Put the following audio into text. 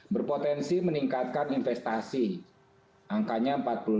berpotensi meningkatkan investasi angkanya empat puluh lima sampai enam puluh tiga triliun